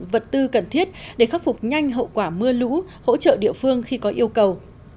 vật tư cần thiết để khắc phục nhanh hậu quả mưa lũ hỗ trợ địa phương khi có yêu cầu